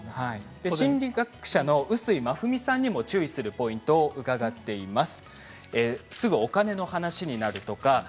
心理学者の碓井真史さんにも注意するポイントを伺いました。